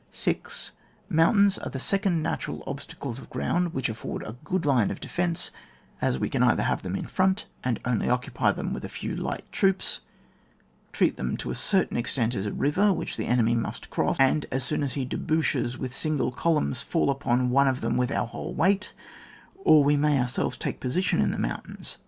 6. Mountains are the second natural obstacles of ground which afford a good line of defence, as we can either have them in front, and only occupy them with a few light troops, treat them to a certain extent as a river which the enemy must cross, and as soon as he debouches with his single columns, fall upon one of them with our whole weight, or we may ourselves take position in the mountains.